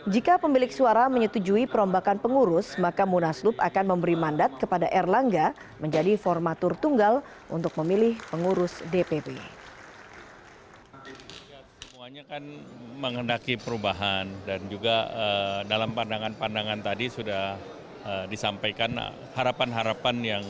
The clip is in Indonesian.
jika pemilik suara menyetujui perombakan pengurus maka munaslu akan memberi mandat kepada erlangga menjadi formatur tunggal untuk memilih pengurus dpp